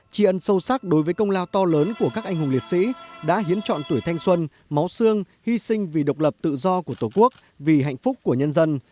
tri ân sâu sắc đối với công lao to lớn của các anh hùng liệt sĩ đã hiến chọn tuổi thanh xuân máu xương hy sinh vì độc lập tự do của tổ quốc vì hạnh phúc của nhân dân